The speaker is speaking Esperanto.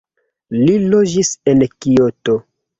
Li loĝis en Kioto.